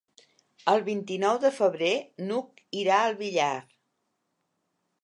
El vint-i-nou de febrer n'Hug irà al Villar.